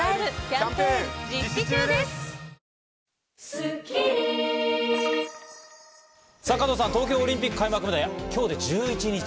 しかし今年はさぁ、東京オリンピック開幕まで今日で１１日。